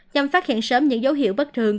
nhằm phát hiện sớm những dấu hiệu bất thường